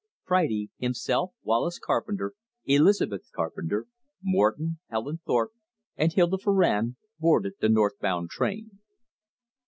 Friday, himself, Wallace Carpenter, Elizabeth Carpenter, Morton, Helen Thorpe, and Hilda Farrand boarded the north bound train.